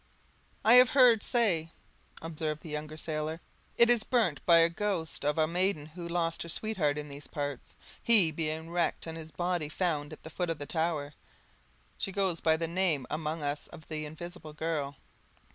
"I have heard say," observed the younger sailor, "it is burnt by the ghost of a maiden who lost her sweetheart in these parts; he being wrecked, and his body found at the foot of the tower: she goes by the name among us of the 'Invisible Girl.'"